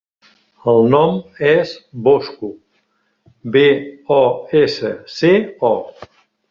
El nom és Bosco: be, o, essa, ce, o.